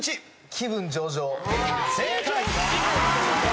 『気分上々↑↑』正解。